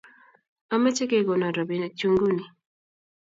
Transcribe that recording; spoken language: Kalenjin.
ameche kekonon robinikchu nguni